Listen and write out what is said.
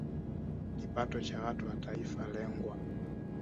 kipato cha watu na taifa lengwa